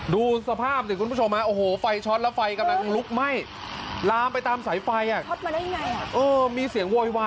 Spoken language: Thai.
ดูสภาพสิ